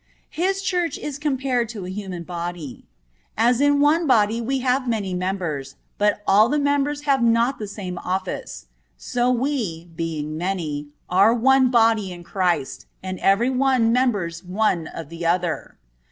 His Church is compared to a human body. "As in one body we have many members, but all the members have not the same office; so we, being many, are one body in Christ, and every one members one of the other."